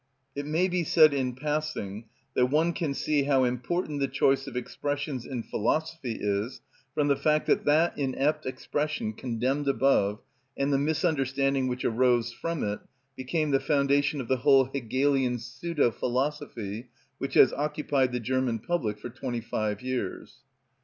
It may be said in passing that one can see how important the choice of expressions in philosophy is from the fact that that inept expression condemned above, and the misunderstanding which arose from it, became the foundation of the whole Hegelian pseudo philosophy, which has occupied the German public for twenty five years.